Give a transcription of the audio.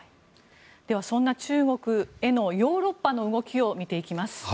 では、そんな中国へのヨーロッパの動きを見ていきます。